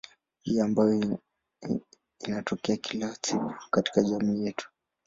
Hali ambayo inatokea kila siku katika jamii yetu.